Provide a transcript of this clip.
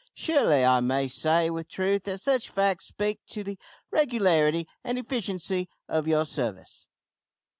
Surely I may say with truth that such facts speak to the regularity and efficiency of your service.